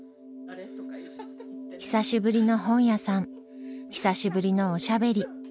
久しぶりの本屋さん久しぶりのおしゃべり。